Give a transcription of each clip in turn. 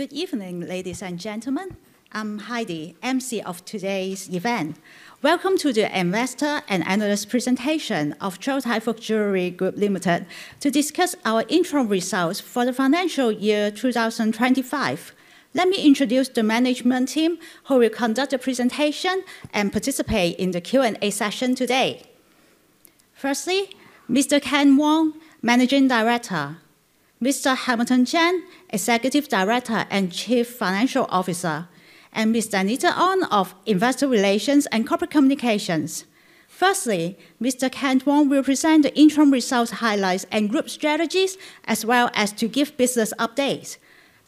Good evening, ladies and gentlemen. I'm Heidi, MC of today's event. Welcome to the Investor and Analyst presentation of Chow Tai Fook Jewellery Group Limited to discuss our interim results for the financial year 2025. Let me introduce the management team who will conduct the presentation and participate in the Q&A session today. Firstly, Mr. Kent Wong, Managing Director, Mr. Hamilton Cheng, Executive Director and Chief Financial Officer, and Ms. Danita On of Investor Relations and Corporate Communications. Firstly, Mr. Kent Wong will present the interim results highlights and group strategies, as well as give business updates.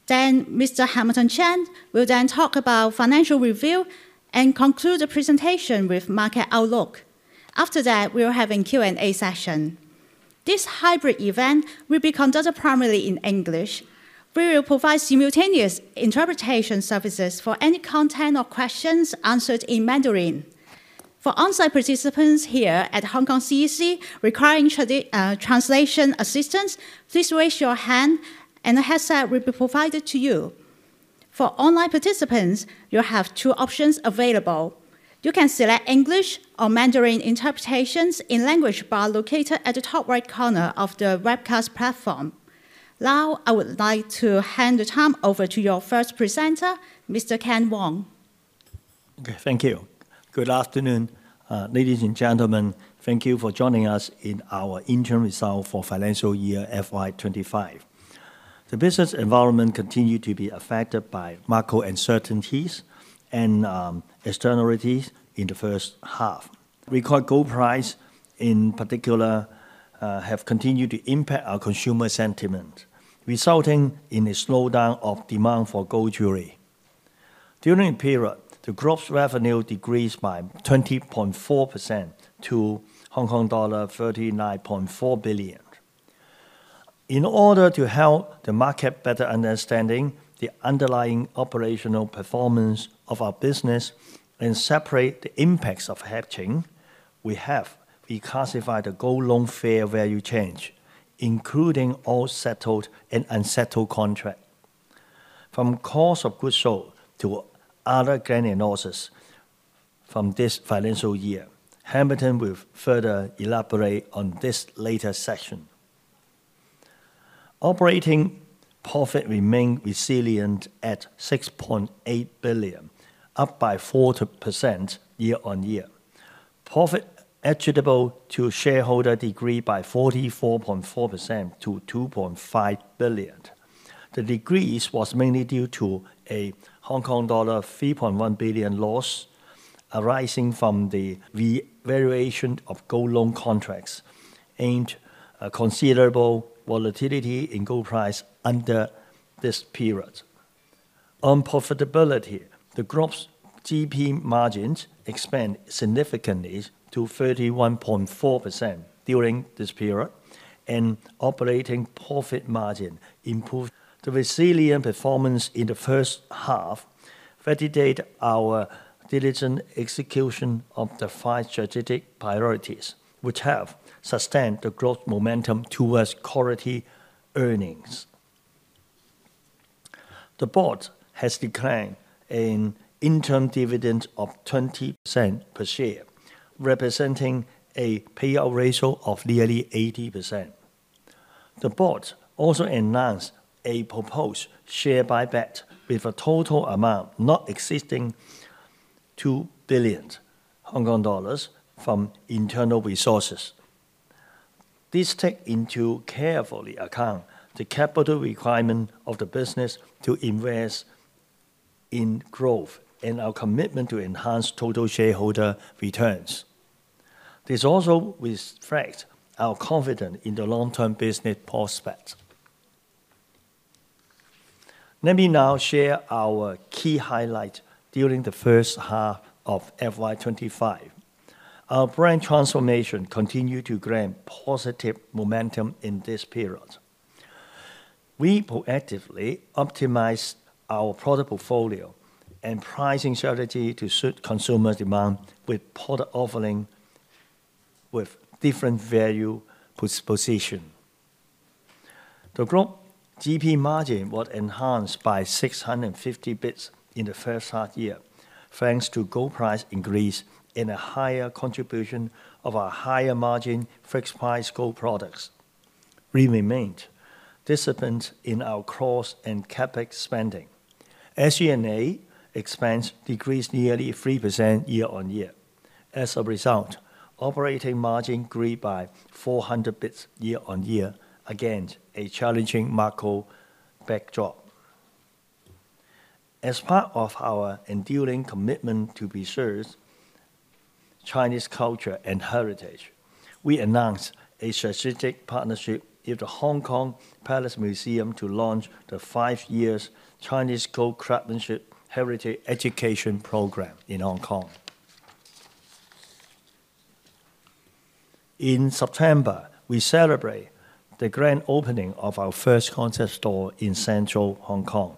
Then, Mr. Hamilton Cheng will then talk about financial review and conclude the presentation with market outlook. After that, we will have a Q&A session. This hybrid event will be conducted primarily in English. We will provide simultaneous interpretation services for any content or questions answered in Mandarin. For on-site participants here at Hong Kong CEC requiring translation assistance, please raise your hand, and a headset will be provided to you. For online participants, you have two options available. You can select English or Mandarin interpretations in Language Bar located at the top right corner of the webcast platform. Now, I would like to hand the time over to your first presenter, Mr. Kent Wong. Okay, thank you. Good afternoon, ladies and gentlemen. Thank you for joining us in our interim result for financial year FY25. The business environment continued to be affected by macro uncertainties and externalities in the first half. Record gold prices, in particular, have continued to impact our consumer sentiment, resulting in a slowdown of demand for gold jewellery. During the period, the gross revenue decreased by 20.4% to Hong Kong dollar 39.4 billion. In order to help the market better understand the underlying operational performance of our business and separate the impacts of hedging, we have reclassified the gold loan fair value change, including all settled and unsettled contracts, from cost of goods sold to other gains and losses from this financial year. Hamilton will further elaborate on this later in the session. Operating profit remained resilient at 6.8 billion, up by 4% year-on-year. Profit attributable to shareholder decreased by 44.4% to 2.5 billion. The decrease was mainly due to a Hong Kong dollar 3.1 billion loss arising from the devaluation of gold loan contracts amid considerable volatility in gold price during this period. On profitability, the gross GP margins expanded significantly to 31.4% during this period, and operating profit margin improved. The resilient performance in the first half validated our diligent execution of the five strategic priorities, which have sustained the growth momentum towards quality earnings. The board has declared an interim dividend of 20% per share, representing a payout ratio of nearly 80%. The board also announced a proposed share buyback with a total amount not exceeding 2 billion Hong Kong dollars from internal resources. This takes into careful account the capital requirement of the business to invest in growth and our commitment to enhance total shareholder returns. This also reflects our confidence in the long-term business prospects. Let me now share our key highlights during the first half of FY25. Our brand transformation continued to grant positive momentum in this period. We proactively optimized our product portfolio and pricing strategy to suit consumer demand, with product offering with different value propositions. The gross GP margin was enhanced by 650 basis points in the first half year, thanks to gold price increase and a higher contribution of our higher-margin fixed-price gold products. We remained disciplined in our cost and CapEx spending. SG&A expenses decreased nearly 3% year-on-year. As a result, operating margin grew by 400 basis points year-on-year, against a challenging macro backdrop. As part of our enduring commitment to preserve Chinese culture and heritage, we announced a strategic partnership with the Hong Kong Palace Museum to launch the 5-year Chinese Gold Craftsmanship Heritage Education Program in Hong Kong. In September, we celebrated the grand opening of our first concept store in Central Hong Kong,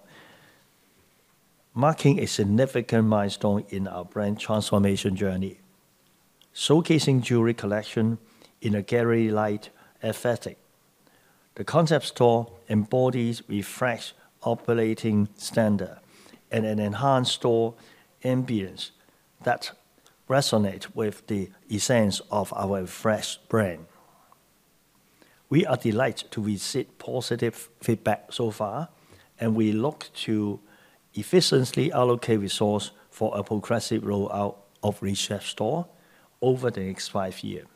marking a significant milestone in our brand transformation journey. Showcasing jewelry collections in a gallery-like aesthetic, the concept store embodies refreshed operating standards and an enhanced store ambience that resonates with the essence of our fresh brand. We are delighted to receive positive feedback so far, and we look to efficiently allocate resources for a progressive rollout of the refreshed store over the next five years.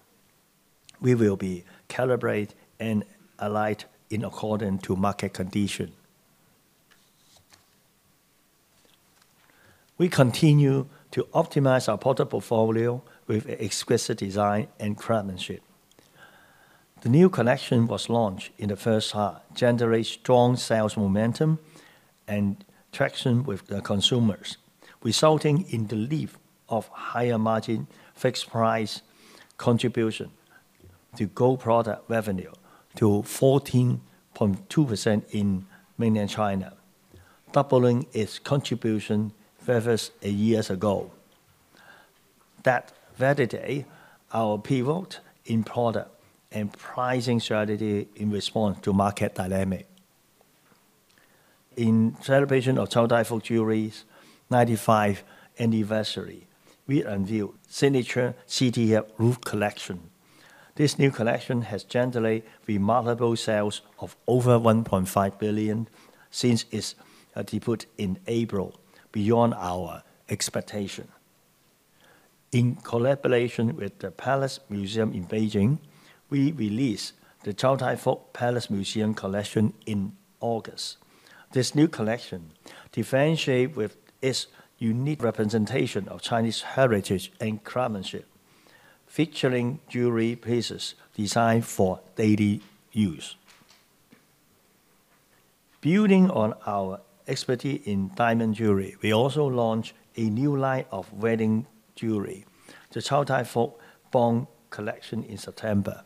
We will be calibrated and aligned in accordance with market conditions. We continue to optimize our product portfolio with exquisite design and craftsmanship. The new collection was launched in the first half, generating strong sales momentum and traction with consumers, resulting in the lift of higher-margin fixed-price contributions to gold product revenue to 14.2% in Mainland China, doubling its contribution versus a year ago. That validated our pivot in product and pricing strategy in response to market dynamics. In celebration of Chow Tai Fook Jewellery's 95th anniversary, we unveiled the signature CTF Rouge Collection. This new collection has generated remarkable sales of over 1.5 billion since its debut in April, beyond our expectations. In collaboration with the Palace Museum in Beijing, we released the Chow Tai Fook Palace Museum Collection in August. This new collection differentiates with its unique representation of Chinese heritage and craftsmanship, featuring jewelry pieces designed for daily use. Building on our expertise in diamond jewelry, we also launched a new line of wedding jewelry, the Chow Tai Fook Bond Collection in September.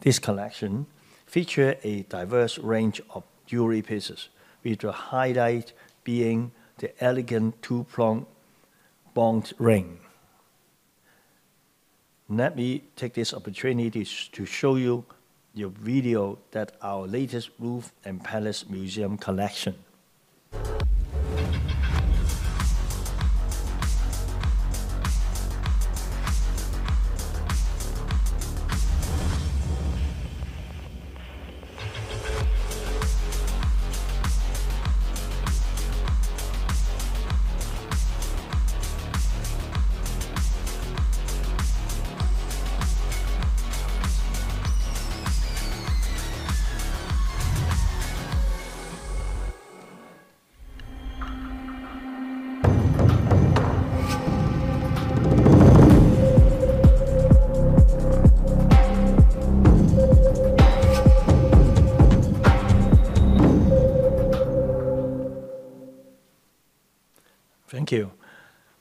This collection features a diverse range of jewelry pieces, with the highlight being the elegant two-pronged Bond ring. Let me take this opportunity to show you the video of our latest Rouge and Palace Museum Collection.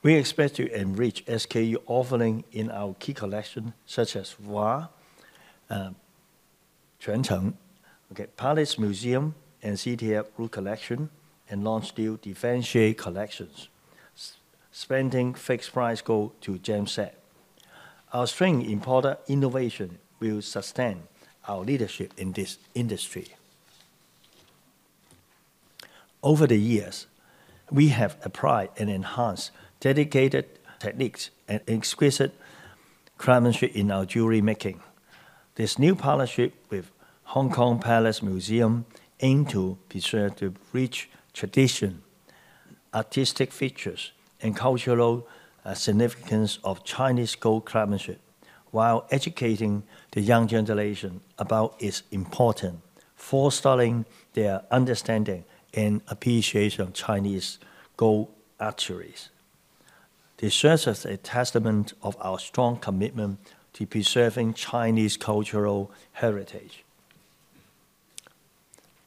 Thank you. We expect to enrich SKU offerings in our key collections, such as Chuan Cheng, Palace Museum, and CTF Rouge Collection, and launch new differentiated collections, spanning fixed-price gold to gem-set. Our strength in product innovation will sustain our leadership in this industry. Over the years, we have applied and enhanced dedicated techniques and exquisite craftsmanship in our jewelry making. This new partnership with Hong Kong Palace Museum aims to preserve the rich tradition, artistic features, and cultural significance of Chinese gold craftsmanship, while educating the young generation about its importance, fostering their understanding and appreciation of Chinese gold craftsmanship. This serves as a testament to our strong commitment to preserving Chinese cultural heritage.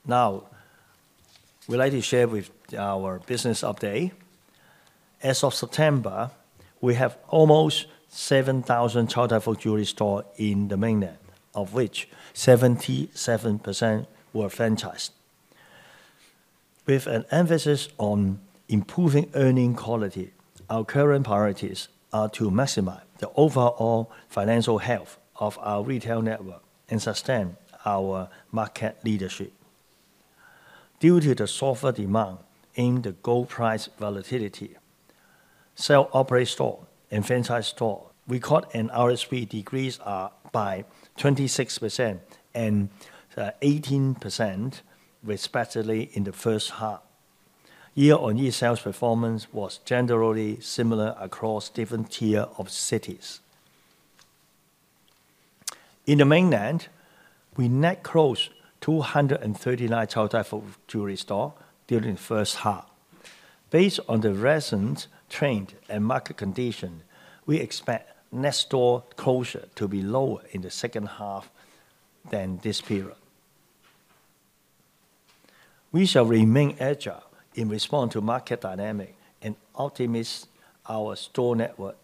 Now, I would like to share with you our business update. As of September, we have almost 7,000 Chow Tai Fook jewelry stores in the mainland, of which 77% were franchised. With an emphasis on improving earnings quality, our current priorities are to maximize the overall financial health of our retail network and sustain our market leadership. Due to the softer demand and the gold price volatility, sales of operating stores and franchise stores recorded an RSV decrease by 26% and 18% respectively in the first half. Year-on-year sales performance was generally similar across different tiers of cities. In the mainland, we net closed 239 Chow Tai Fook jewelry stores during the first half. Based on the recent trends and market conditions, we expect net store closures to be lower in the second half than this period. We shall remain agile in response to market dynamics and optimize our store network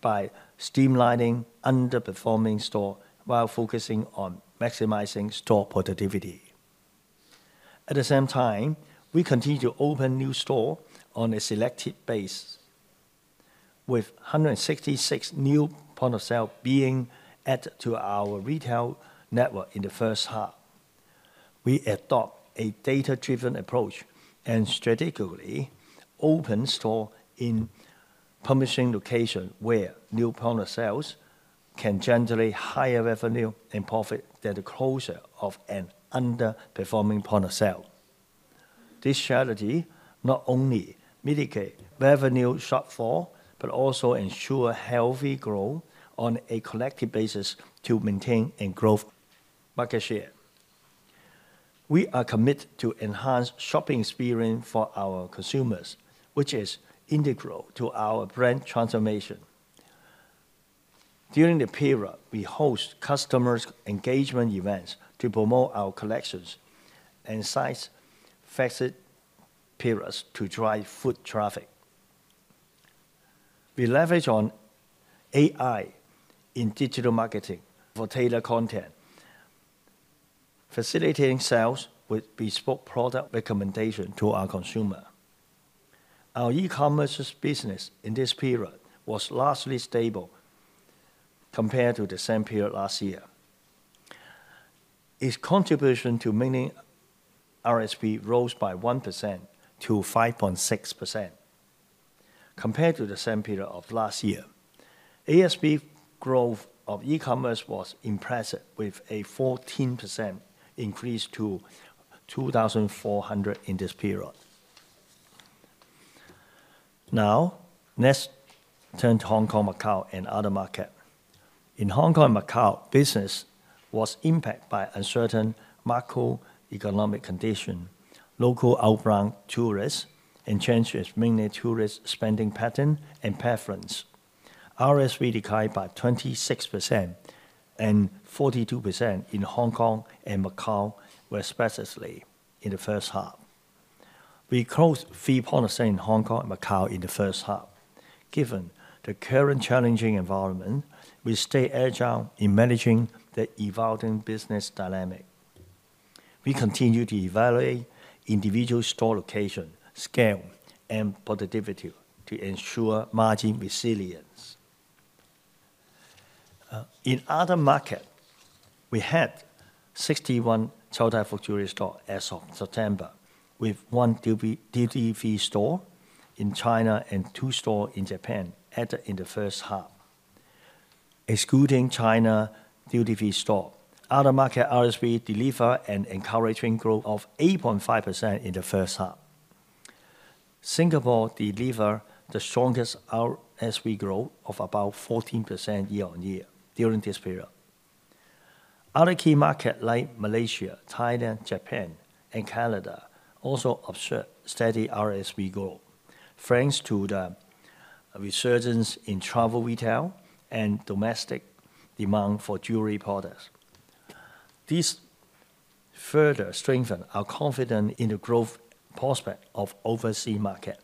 by streamlining underperforming stores while focusing on maximizing store productivity. At the same time, we continue to open new stores on a selected basis, with 166 new points of sale being added to our retail network in the first half. We adopt a data-driven approach and strategically open stores in promising locations where new points of sale can generate higher revenue and profit than the closure of an underperforming point of sale. This strategy not only mitigates revenue shortfalls but also ensures healthy growth on a collective basis to maintain and grow market share. We are committed to enhancing the shopping experience for our consumers, which is integral to our brand transformation. During the period, we host customer engagement events to promote our collections and seize festive periods to drive foot traffic. We leverage AI in digital marketing for tailored content, facilitating sales with bespoke product recommendations to our consumers. Our e-commerce business in this period was largely stable compared to the same period last year. Its contribution to Mainland RSV rose by 1% to 5.6% compared to the same period of last year. ASP's growth of e-commerce was impressive, with a 14% increase to 2,400 in this period. Now, let's turn to Hong Kong and Macau and other markets. In Hong Kong and Macau, business was impacted by uncertain macroeconomic conditions, local outbound tourists, and changes in mainland tourists' spending patterns and preferences. RSV declined by 26% and 42% in Hong Kong and Macau, respectively, in the first half. We closed 3.7% in Hong Kong and Macau in the first half. Given the current challenging environment, we stayed agile in managing the evolving business dynamics. We continue to evaluate individual store locations, scale, and productivity to ensure margin resilience. In other markets, we had 61 Chow Tai Fook jewelry stores as of September, with one duty-free store in China and two stores in Japan added in the first half. Excluding China duty-free stores, other markets RSV delivered an encouraging growth of 8.5% in the first half. Singapore delivered the strongest RSV growth of about 14% year-on-year during this period. Other key markets like Malaysia, Thailand, Japan, and Canada also observed steady RSV growth, thanks to the resurgence in travel retail and domestic demand for jewelry products. This further strengthened our confidence in the growth prospects of overseas markets.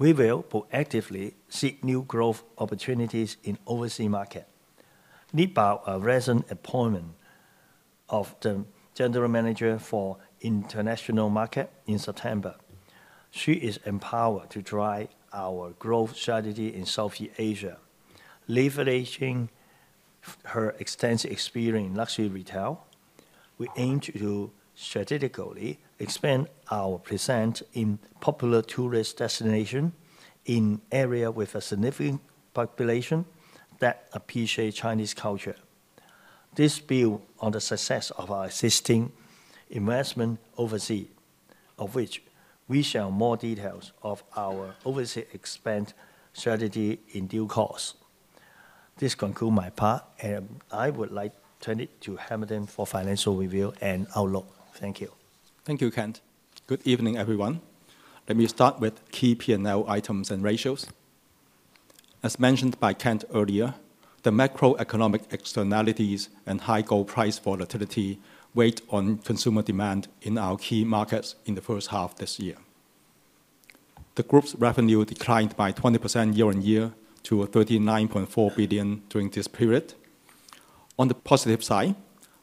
We will proactively seek new growth opportunities in overseas markets. Gabriela Bao, recently appointed the General Manager for International Markets in September. She is empowered to drive our growth strategy in Southeast Asia. Leveraging her extensive experience in luxury retail, we aim to strategically expand our presence in popular tourist destinations in areas with a significant population that appreciate Chinese culture. This builds on the success of our existing investments overseas, of which we shall share more details of our overseas expansion strategy in due course. This concludes my part, and I would like to turn it to Hamilton for financial review and outlook. Thank you. Thank you, Kent. Good evening, everyone. Let me start with key P&L items and ratios. As mentioned by Kent earlier, the macroeconomic externalities and high gold price volatility weighed on consumer demand in our key markets in the first half of this year. The Group's revenue declined by 20% year-on-year to 39.4 billion during this period. On the positive side,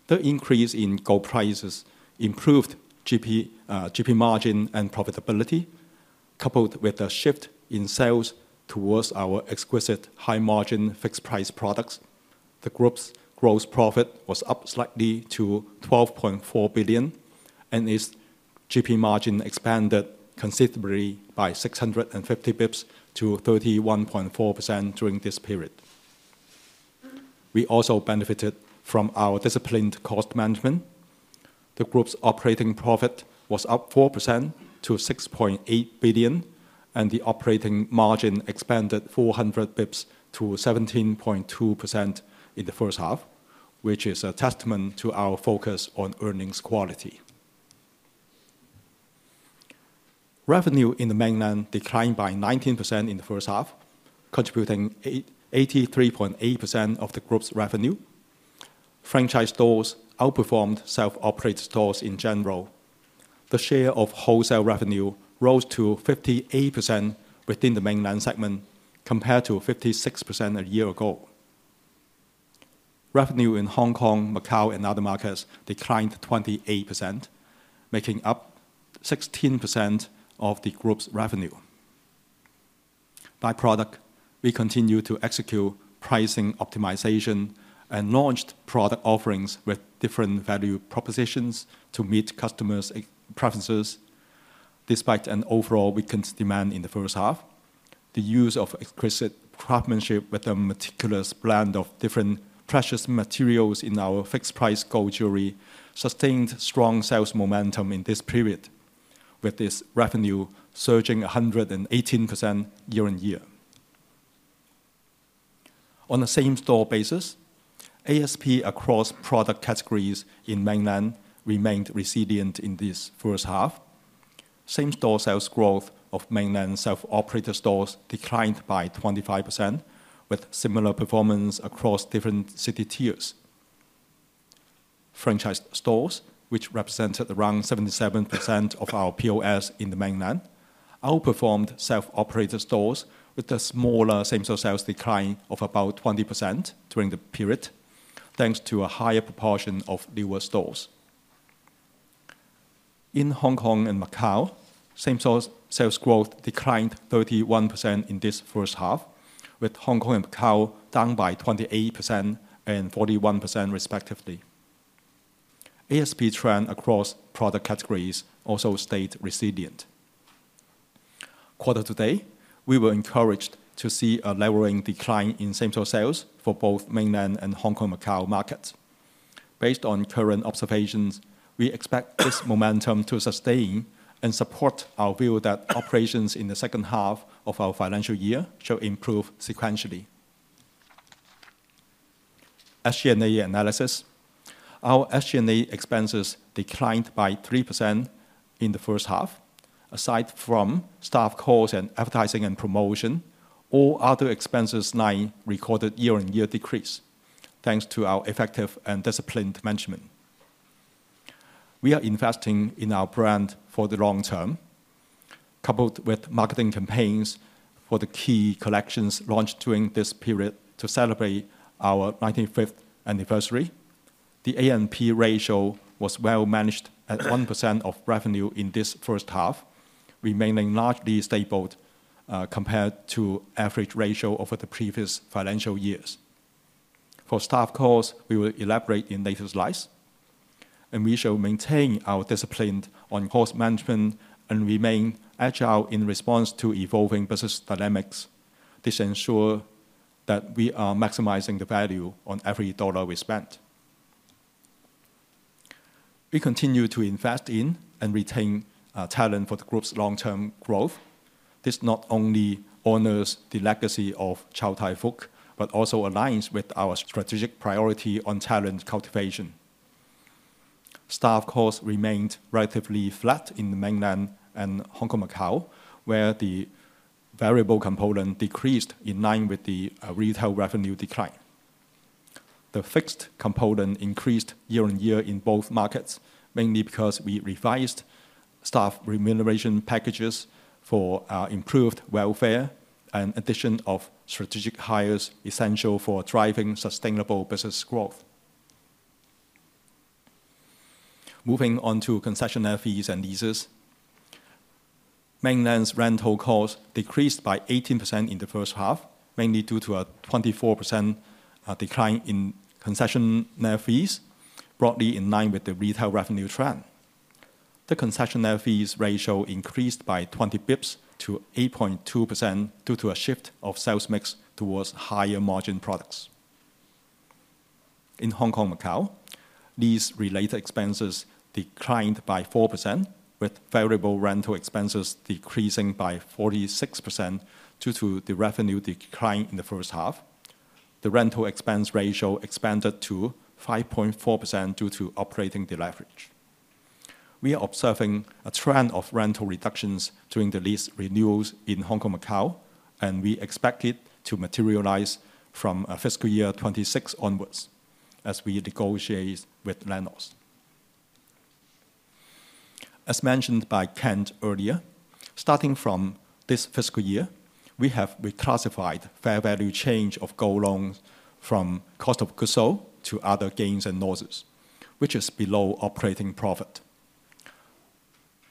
the increase in gold prices improved GP margin and profitability, coupled with the shift in sales towards our exquisite high-margin fixed-price products. The Group's gross profit was up slightly to 12.4 billion, and its GP margin expanded considerably by 650 basis points to 31.4% during this period. We also benefited from our disciplined cost management. The Group's operating profit was up 4% to 6.8 billion, and the operating margin expanded 400 basis points to 17.2% in the first half, which is a testament to our focus on earnings quality. Revenue in the mainland declined by 19% in the first half, contributing 83.8% of the Group's revenue. Franchise stores outperformed self-operated stores in general. The share of wholesale revenue rose to 58% within the mainland segment, compared to 56% a year ago. Revenue in Hong Kong, Macau, and other markets declined 28%, making up 16% of the Group's revenue. By product, we continued to execute pricing optimization and launched product offerings with different value propositions to meet customers' preferences. Despite an overall weaKented demand in the first half, the use of exquisite craftsmanship with a meticulous blend of different precious materials in our fixed-price gold jewelry sustained strong sales momentum in this period, with this revenue surging 118% year-on-year. On the same-store basis, ASP across product categories in the Mainland remained resilient in this first half. Same-store sales growth of Mainland self-operated stores declined by 25%, with similar performance across different city tiers. Franchise stores, which represented around 77% of our POS in the Mainland, outperformed self-operated stores with a smaller same-store sales decline of about 20% during the period, thanks to a higher proportion of newer stores. In Hong Kong and Macau, same-store sales growth declined 31% in this first half, with Hong Kong and Macau down by 28% and 41% respectively. ASP trends across product categories also stayed resilient. Quarter to date, we were encouraged to see a leveling decline in same-store sales for both Mainland and Hong Kong and Macau markets. Based on current observations, we expect this momentum to sustain and support our view that operations in the second half of our financial year shall improve sequentially. SG&A analysis: Our SG&A expenses declined by 3% in the first half. Aside from staff costs and advertising and promotion, all other expense lines recorded a year-on-year decrease, thanks to our effective and disciplined management. We are investing in our brand for the long term, coupled with marketing campaigns for the key collections launched during this period to celebrate our 95th anniversary. The A&P ratio was well-managed at 1% of revenue in this first half, remaining largely stable compared to the average ratio over the previous financial years. For staff costs, we will elaborate in later slides, and we shall maintain our discipline on cost management and remain agile in response to evolving business dynamics. This ensures that we are maximizing the value on every dollar we spend. We continue to invest in and retain talent for the Group's long-term growth. This not only honors the legacy of Chow Tai Fook but also aligns with our strategic priority on talent cultivation. Staff costs remained relatively flat in the mainland and Hong Kong Macau, where the variable component decreased in line with the retail revenue decline. The fixed component increased year-on-year in both markets, mainly because we revised staff remuneration packages for improved welfare and the addition of strategic hires essential for driving sustainable business growth. Moving on to concessionaire fees and leases, mainland's rental costs decreased by 18% in the first half, mainly due to a 24% decline in concessionaire fees, broadly in line with the retail revenue trend. The concessionaire fees ratio increased by 20 basis points to 8.2% due to a shift of sales mix towards higher margin products. In Hong Kong Macau, lease-related expenses declined by 4%, with variable rental expenses decreasing by 46% due to the revenue decline in the first half. The rental expense ratio expanded to 5.4% due to operating deleverage. We are observing a trend of rental reductions during the lease renewals in Hong Kong and Macau, and we expect it to materialize from fiscal year 26 onwards as we negotiate with landlords. As mentioned by Kent earlier, starting from this fiscal year, we have reclassified fair value change of gold loans from cost of goods sold to other gains and losses, which is below operating profit.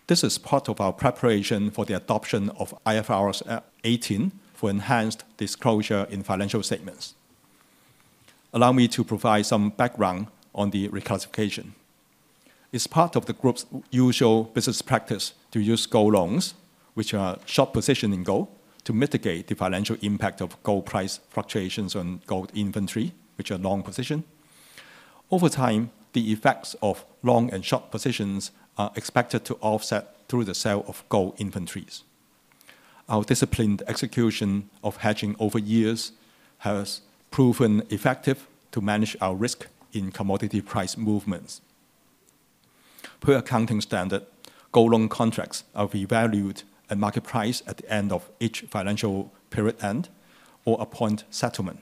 This is part of our preparation for the adoption of IFRS 18 for enhanced disclosure in financial statements. Allow me to provide some background on the reclassification. It's part of the Group's usual business practice to use gold loans, which are short-positioning gold, to mitigate the financial impact of gold price fluctuations on gold inventory, which are long positions. Over time, the effects of long and short positions are expected to offset through the sale of gold inventories. Our disciplined execution of hedging over years has proven effective to manage our risk in commodity price movements. Per accounting standard, gold loan contracts are revalued at market price at the end of each financial period end or upon settlement,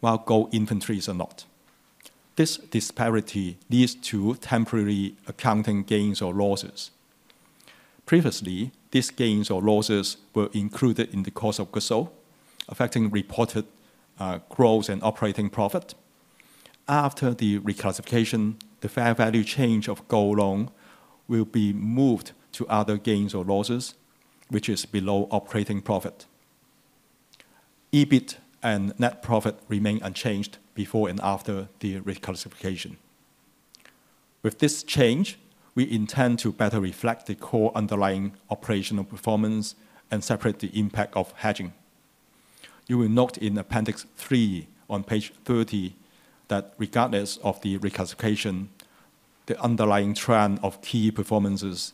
while gold inventories are not. This disparity leads to temporary accounting gains or losses. Previously, these gains or losses were included in the cost of goods sold, affecting reported growth and operating profit. After the reclassification, the fair value change of gold loan will be moved to other gains or losses, which is below operating profit. EBIT and net profit remain unchanged before and after the reclassification. With this change, we intend to better reflect the core underlying operational performance and separate the impact of hedging. You will note in Appendix 3 on page 30 that regardless of the reclassification, the underlying trend of key performance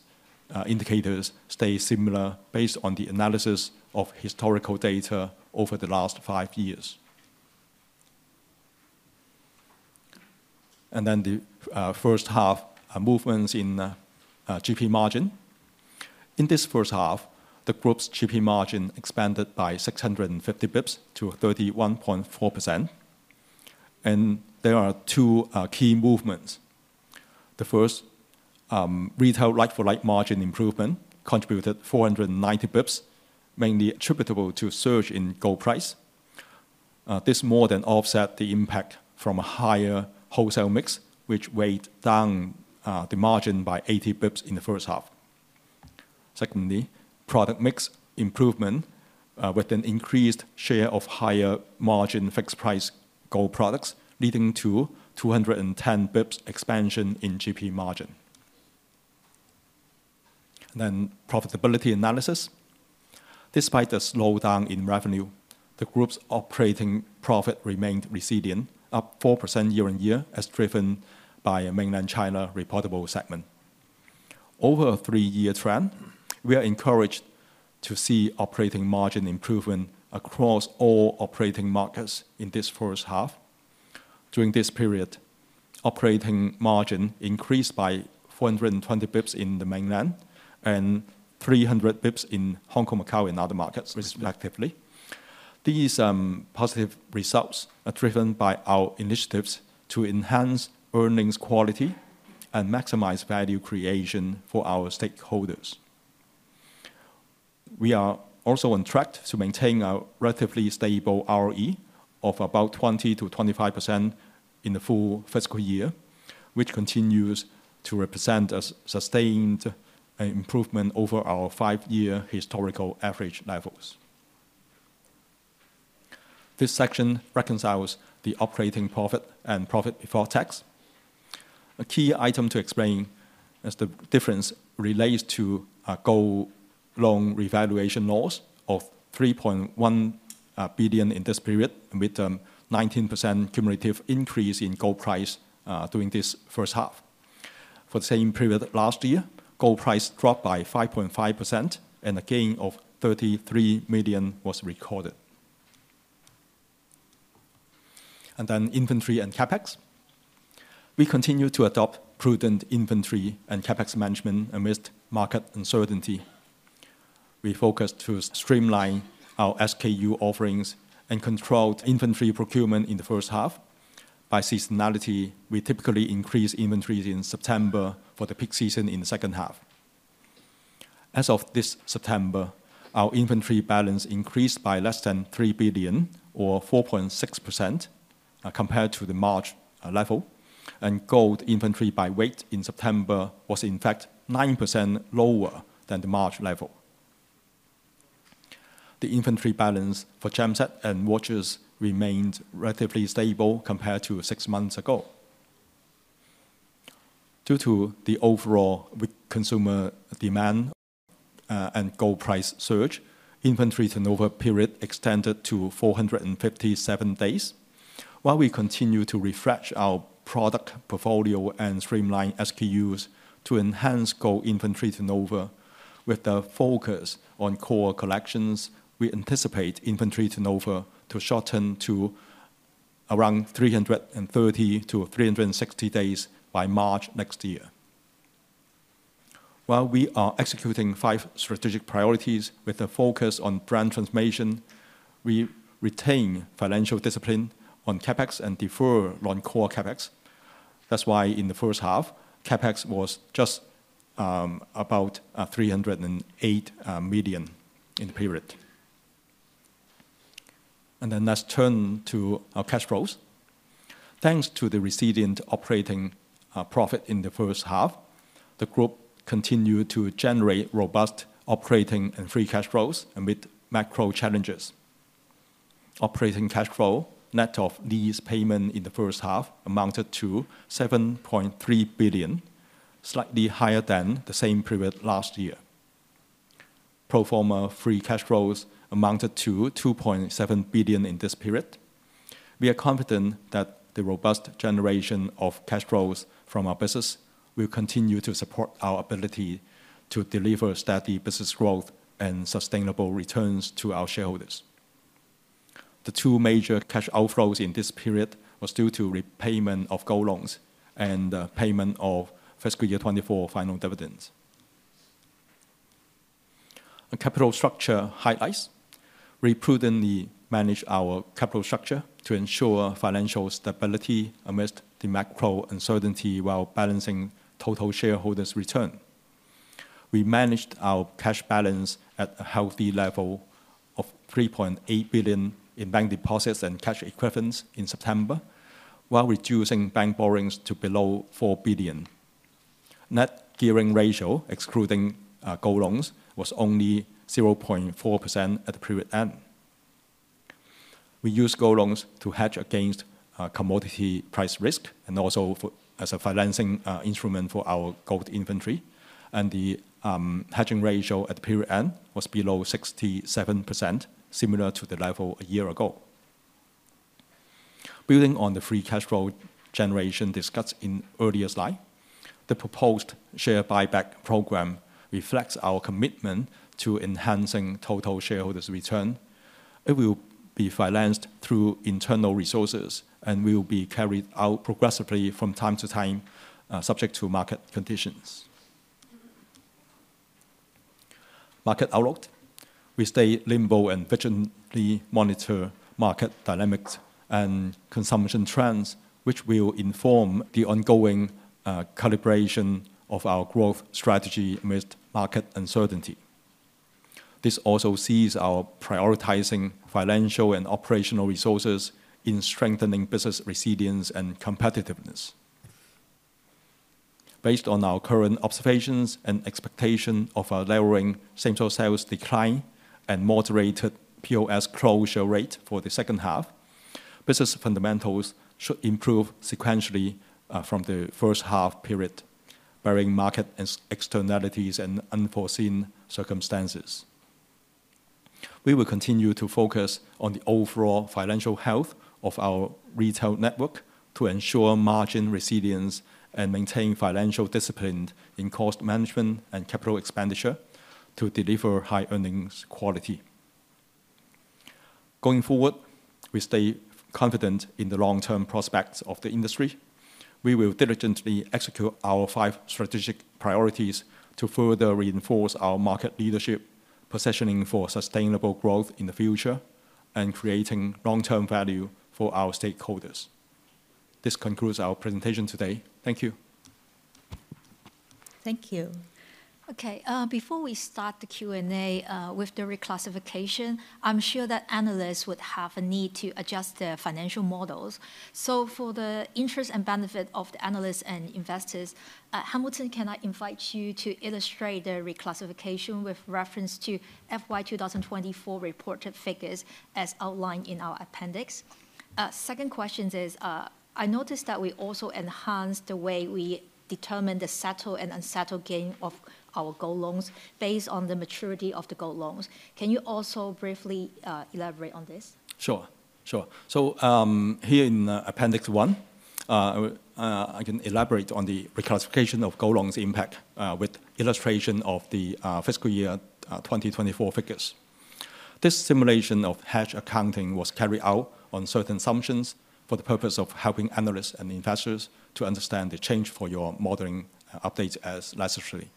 indicators stays similar based on the analysis of historical data over the last five years, and then the first half movements in GP margin. In this first half, the Group's GP margin expanded by 650 basis points to 31.4%, and there are two key movements. The first, retail like-for-like margin improvement contributed 490 basis points, mainly attributable to a surge in gold price. This more than offsets the impact from a higher wholesale mix, which weighed down the margin by 80 basis points in the first half. Secondly, product mix improvement with an increased share of higher margin fixed-price gold products, leading to 210 basis points expansion in GP margin, then profitability analysis. Despite the slowdown in revenue, the Group's operating profit remained resilient, up 4% year-on-year as driven by a mainland China reportable segment. Over a three-year trend, we are encouraged to see operating margin improvement across all operating markets in this first half. During this period, operating margin increased by 420 basis points in the mainland and 300 basis points in Hong Kong Macau and other markets, respectively. These positive results are driven by our initiatives to enhance earnings quality and maximize value creation for our stakeholders. We are also on track to maintain our relatively stable ROE of about 20%-25% in the full fiscal year, which continues to represent a sustained improvement over our five-year historical average levels. This section reconciles the operating profit and profit before tax. A key item to explain is the difference relates to gold loan revaluation loss of 3.1 billion in this period, with a 19% cumulative increase in gold price during this first half. For the same period last year, gold price dropped by 5.5%, and a gain of 33 million was recorded. And then inventory and CapEx. We continue to adopt prudent inventory and CapEx management amidst market uncertainty. We focus to streamline our SKU offerings and control inventory procurement in the first half. By seasonality, we typically increase inventories in September for the peak season in the second half. As of this September, our inventory balance increased by less than 3 billion, or 4.6%, compared to the March level, and gold inventory by weight in September was, in fact, 9% lower than the March level. The inventory balance for gem-set and watches remained relatively stable compared to six months ago. Due to the overall consumer demand and gold price surge, inventory turnover period extended to 457 days. While we continue to refresh our product portfolio and streamline SKUs to enhance gold inventory turnover, with the focus on core collections, we anticipate inventory turnover to shorten to around 330 to 360 days by March next year. While we are executing five strategic priorities with a focus on brand transformation, we retain financial discipline on CapEx and defer on core CapEx. That's why in the first half, CapEx was just about 308 million in the period. And then let's turn to our cash flows. Thanks to the resilient operating profit in the first half, the Group continued to generate robust operating and free cash flows amid macro challenges. Operating cash flow net of lease payment in the first half amounted to 7.3 billion, slightly higher than the same period last year. Pro forma free cash flows amounted to 2.7 billion in this period. We are confident that the robust generation of cash flows from our business will continue to support our ability to deliver steady business growth and sustainable returns to our shareholders. The two major cash outflows in this period were due to repayment of gold loans and the payment of fiscal year 2024 final dividends. Capital structure highlights. We prudently managed our capital structure to ensure financial stability amidst the macro uncertainty while balancing total shareholders' return. We managed our cash balance at a healthy level of 3.8 billion in bank deposits and cash equivalents in September, while reducing bank borrowings to below 4 billion. Net gearing ratio, excluding gold loans, was only 0.4% at the period end. We used gold loans to hedge against commodity price risk and also as a financing instrument for our gold inventory. The hedging ratio at the period end was below 67%, similar to the level a year ago. Building on the free cash flow generation discussed in earlier slide, the proposed share buyback program reflects our commitment to enhancing total shareholders' return. It will be financed through internal resources and will be carried out progressively from time to time, subject to market conditions. Market outlook. We stay nimble and vigilantly monitor market dynamics and consumption trends, which will inform the ongoing calibration of our growth strategy amidst market uncertainty. This also sees us prioritizing financial and operational resources in strengthening business resilience and competitiveness. Based on our current observations and expectation of a lowering same-store sales decline and moderated POS closure rate for the second half, business fundamentals should improve sequentially from the first half period, barring market externalities and unforeseen circumstances. We will continue to focus on the overall financial health of our retail network to ensure margin resilience and maintain financial discipline in cost management and capital expenditure to deliver high earnings quality. Going forward, we stay confident in the long-term prospects of the industry. We will diligently execute our five strategic priorities to further reinforce our market leadership, positioning for sustainable growth in the future, and creating long-term value for our stakeholders. This concludes our presentation today. Thank you. Thank you. Okay. Before we start the Q&A with the reclassification, I'm sure that analysts would have a need to adjust their financial models. So for the interest and benefit of the analysts and investors, Hamilton, can I invite you to illustrate the reclassification with reference to FY 2024 reported figures as outlined in our appendix? Second question is, I noticed that we also enhanced the way we determine the settled and unsettled gain of our gold loans based on the maturity of the gold loans. Can you also briefly elaborate on this? Sure. Sure. So here in Appendix 1, I can elaborate on the reclassification of gold loans impact with illustration of the fiscal year 2024 figures. This simulation of hedge accounting was carried out on certain assumptions for the purpose of helping analysts and investors to understand the change for your modeling updates as necessary.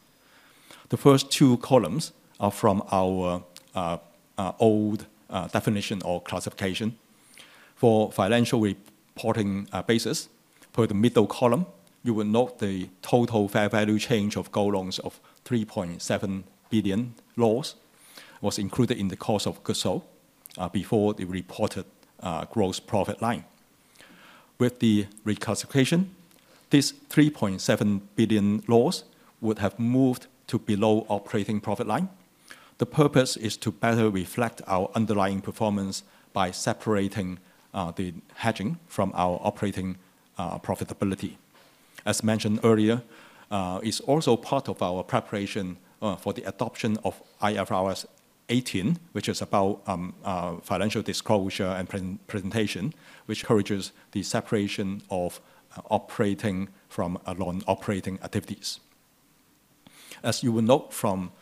The first two columns are from our old definition or classification. For financial reporting basis, for the middle column, you will note the total fair value change of gold loans of 3.7 billion loss was included in the cost of goods sold before the reported gross profit line. With the reclassification, this 3.7 billion loss would have moved to below operating profit line. The purpose is to better reflect our underlying performance by separating the hedging from our operating profitability. As mentioned earlier, it's also part of our preparation for the adoption of IFRS 18, which is about financial disclosure and presentation, which encourages the separation of operating from non-operating activities. As you will note from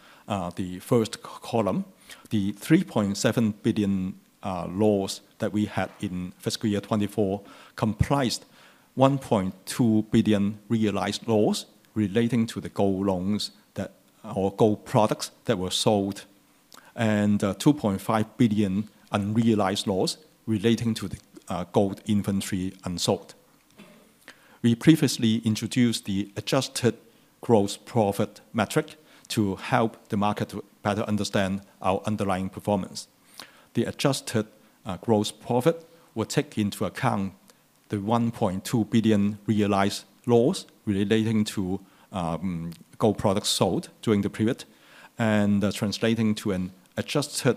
the first column, the 3.7 billion loss that we had in fiscal year 2024 comprised 1.2 billion realized loss relating to the gold loans or gold products that were sold, and 2.5 billion unrealized loss relating to the gold inventory unsold. We previously introduced the adjusted gross profit metric to help the market better understand our underlying performance. The adjusted gross profit will take into account the 1.2 billion realized loss relating to gold products sold during the period and translating to an adjusted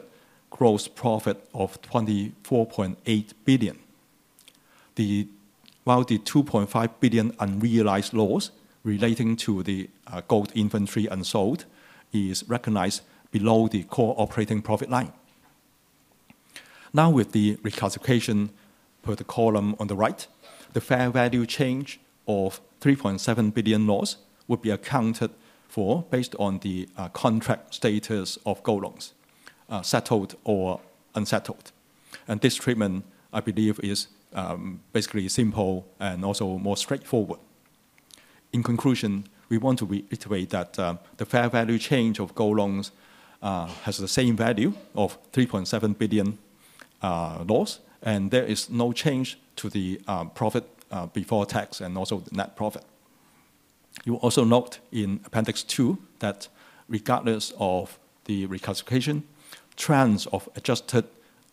gross profit of 24.8 billion. While the 2.5 billion unrealized loss relating to the gold inventory unsold is recognized below the core operating profit line. Now, with the reclassification per the column on the right, the fair value change of 3.7 billion loss would be accounted for based on the contract status of gold loans, settled or unsettled. And this treatment, I believe, is basically simple and also more straightforward. In conclusion, we want to reiterate that the fair value change of gold loans has the same value of 3.7 billion loss, and there is no change to the profit before tax and also the net profit. You also note in Appendix 2 that regardless of the reclassification, trends of adjusted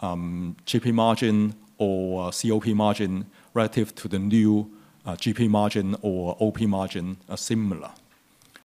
GP margin or COP margin relative to the new GP margin or OP margin are similar.